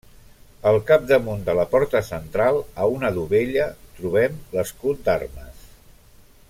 Al capdamunt de la porta central, a una dovella trobem l'escut d'armes.